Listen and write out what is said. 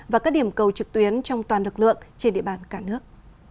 và các điểm cầu trực tuyến trong toàn lực lượng trên địa bàn cả nước